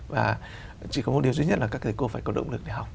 và chỉ có một điều duy nhất là các thầy cô phải có động lực để học